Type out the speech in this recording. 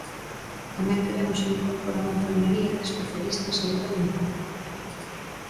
Tamén queremos ir incorporando a enfermería especialista en saúde mental.